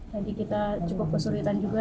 kita cukup kesulitan juga